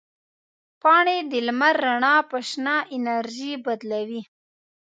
پاڼې د لمر رڼا په شنه انرژي بدلوي.